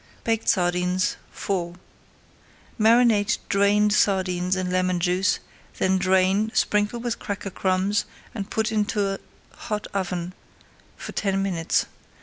BAKED SARDINES IV Marinate drained sardines in lemon juice, then drain, sprinkle with cracker crumbs, and put into a hot oven for ten minutes.